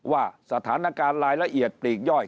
ว่าสถานการณ์รายละเอียดปลีกย่อย